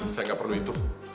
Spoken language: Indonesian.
saya gak perlu itu